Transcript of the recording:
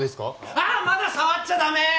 あまだ触っちゃダメ！